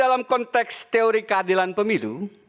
dalam konteks teori keadilan pemilu